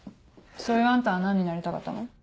そういうあんたは何になりたかったの？